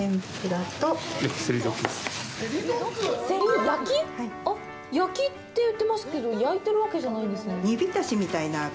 あっ、“焼き”って言ってますけど、焼いてるわけじゃないんですね？